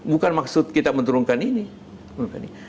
bukan maksud kita menurunkan ini